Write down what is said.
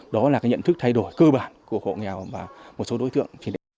đó là nhận thức thay đổi cơ bản của hộ nghèo và một số đối tượng